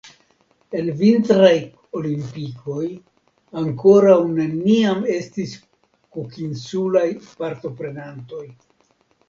En vintraj olimpikoj ankoraŭ neniam estis kukinsulaj partoprenantoj.